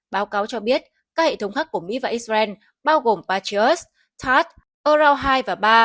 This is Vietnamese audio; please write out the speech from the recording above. báo cáo cho biết các hệ thống khác của mỹ và israel bao gồm patriot tart ural hai và ba